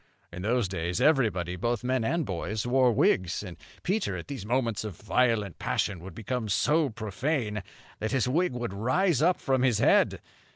In those days everybody, both men and boys, wore wigs; and Peter, at these moments of violent passion, would become so profane that his wig would rise up from his head.